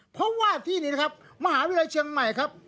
เพราะว่าที่นี่นะครับมหาวิทยาลัยเชียงใหม่ครับ